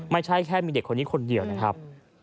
ไม่ใช่แค่มีเด็กคนนี้คนเดียวนะครับ